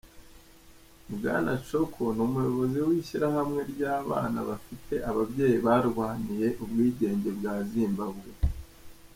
Bwana Shoko ni umuyobozi w'ishyirahamwe ry'abana bafite ababyeyi barwaniye ubwigenge bwa Zimbabwe.